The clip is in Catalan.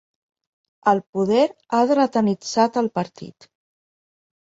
El poder ha dretanitzat el partit.